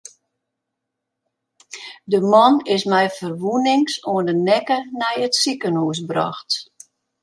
De man is mei ferwûnings oan de nekke nei it sikehûs brocht.